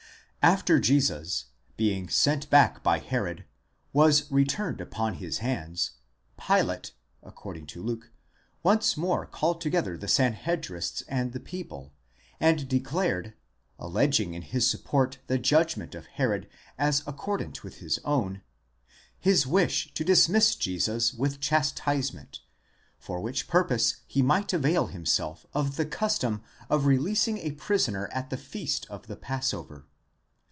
After Jesus, being sent back by Herod, was returned upon his hands, Pilate, according to Luke, once more called together the Sanhedrists and the people, and declared, alleging in his support the judgment of Herod as accordant with his own, his wish to dismiss Jesus with chastisement ; for which purpose he might avail himself of the custom of releasing a prisoner at the feast of the passover.